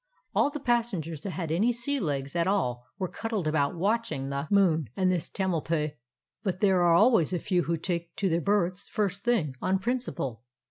All the passengers that had any sea legs at all were cuddled about watching the moon and this old Tamalpais, but there are always a few who take to their berths first thing, on principle.